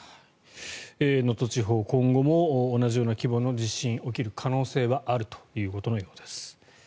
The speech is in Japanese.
能登地方今後も同じような規模の地震が起きる可能性はあるということのようです。